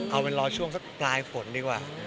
เอาเป็นรอช่วงสักปลายฝนดีกว่า